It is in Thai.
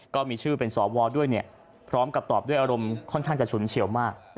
ก็มีชื่อเป็นสวด้วยเนี่ยพร้อมกับตอบด้วยอารมณ์ค่อนข้างจะฉุนเฉียวมาก